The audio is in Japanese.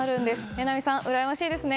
榎並さん、うらやましいですね。